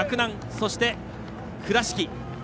そして、倉敷。